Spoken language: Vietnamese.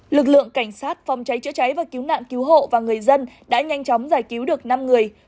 lực lượng cảnh sát phòng cháy chữa cháy và cứu nạn cứu hộ và người dân đã nhanh chóng giải cứu được năm người